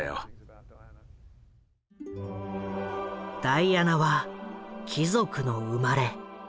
ダイアナは貴族の生まれ。